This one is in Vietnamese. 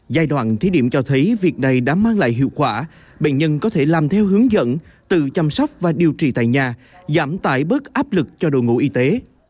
giai đoạn thí điểm cho thấy việc này đã mang lại hiệu quả bệnh nhân có thể làm theo hướng dẫn tự chăm sóc và điều trị tại nhà giảm tải bớt áp lực cho đội ngũ y tế